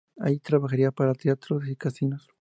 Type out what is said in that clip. Allí trabajaría para teatros y casinos.